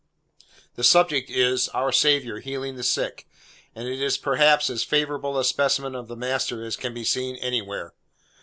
The subject is, our Saviour healing the sick, and it is, perhaps, as favourable a specimen of the master as can be seen anywhere.